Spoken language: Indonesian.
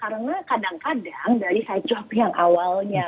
karena kadang kadang dari side job yang awalnya